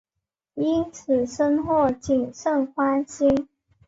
因此深获景胜欢心。